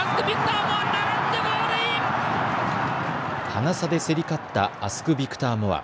ハナ差で競り勝ったアスクビクターモア。